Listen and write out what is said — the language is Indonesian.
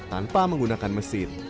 tanpa menggunakan mesin